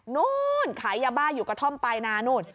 นู้นขายยาบ้าอยู่กระท่อมปลายนานู่น